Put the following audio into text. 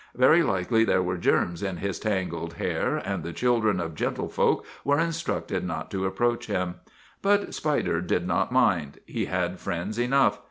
Very likely there were germs in his tangled hair, and the children of gentle folk were instructed not to ap proach him. But Spider did not mind; he had friends enough.